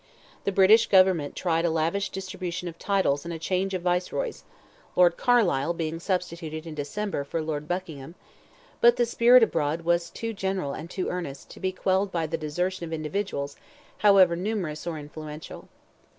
The British Government tried a lavish distribution of titles and a change of Viceroys,—Lord Carlisle being substituted in December for Lord Buckingham—but the spirit abroad was too general and too earnest, to be quelled by the desertion of individuals, however numerous or influential.